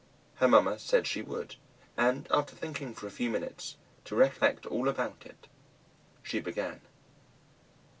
Her mamma said she would, and after thinking for a few minutes, to recollect all about it, she began.